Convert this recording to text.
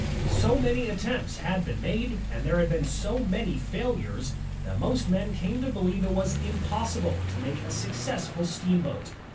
So many attempts had been made, and there had been so many failures, that most men came to believe it was impossible to make a successful steam boat.